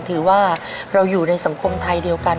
ถือว่าเราอยู่ในสังคมไทยเดียวกัน